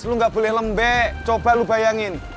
lu nggak boleh lembek coba lu bayangin